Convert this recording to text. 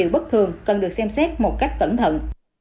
bất thường cần được xem xét một cách cẩn thận